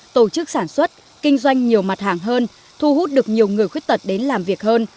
tổ chức sản xuất kinh doanh nhiều mặt hàng hơn thu hút được nhiều người khuyết tật đến làm việc hơn